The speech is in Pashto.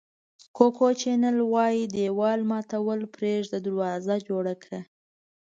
کوکو چینل وایي دېوال ماتول پرېږده دروازه جوړه کړه.